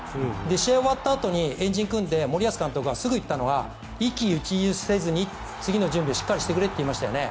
試合が終わったあとに円陣を組んで、森保監督がすぐ言ったのは一喜一憂せずに次の準備をしてくれと言いましたよね。